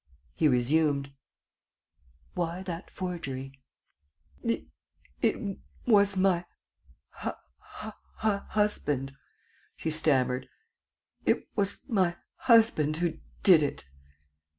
He resumed: "Why that forgery?" "It was my husband," she stammered, "it was my husband who did it.